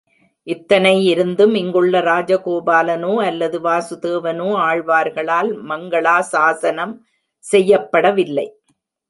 இத்தனை இருந்தும் இங்குள்ள ராஜ கோபாலனோ அல்லது வாசுதேவனோ ஆழ்வார்களால் மங்களாசாஸனம் செய்யப்படவில்லை.